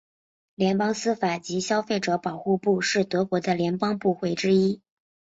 联邦司法及消费者保护部是德国的联邦部会之一。